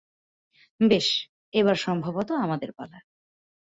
বেশ, এবার সম্ভবত আমাদের পালা।